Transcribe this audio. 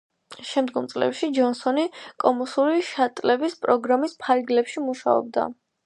შემდგომ წლებში ჯონსონი კოსმოსური შატლების პროგრამის ფარგლებში მუშაობდა.